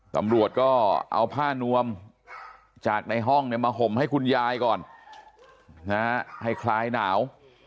ตำรวจก็เอาผ้านวมจากในห้องมาห่มให้คุณยายก่อนให้คลายหนาว